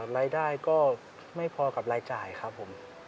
รายได้ก็ไม่พอกับรายจ่ายครับผม